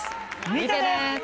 見てね！